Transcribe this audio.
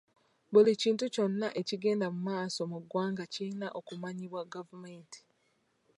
Buli kintu kyonna ekigenda mu maaso mu ggwanga kirina okumanyibwa gavumenti.